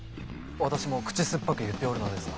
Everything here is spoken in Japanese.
私も口酸っぱく言っておるのですが。